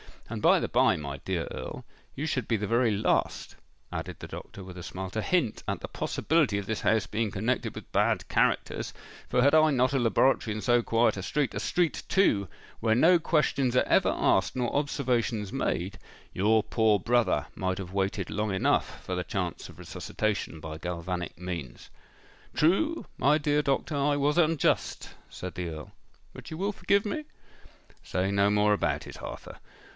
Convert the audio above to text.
And, by the bye, my dear Earl, you should be the very last," added the doctor, with a smile, "to hint at the possibility of this house being connected with bad characters; for had I not a laboratory in so quiet a street—a street, too, where no questions are ever asked nor observations made—your poor brother might have waited long enough for the chance of resuscitation by galvanic means." "True, my dear doctor—I was unjust," said the Earl. "But you will forgive me?" "Say no more about it, Arthur.